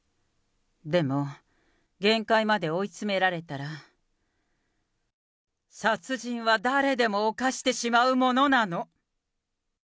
でも、限界まで追い詰められたら殺人は誰でも犯してしまうものなの。